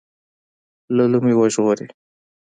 له لومې وژغوري.